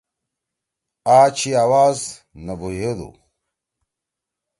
آ چھی آواز نہ بُھویودُو۔